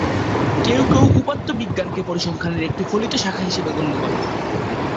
কেউ কেউ উপাত্ত বিজ্ঞানকে পরিসংখ্যানের একটি ফলিত শাখা হিসেবে গণ্য করেন।